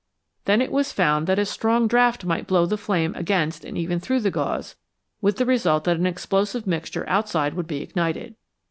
Then it was found that a strong draught might blow the flame against and even through the gauze, with the result that an explosive mixture outside would be ignited.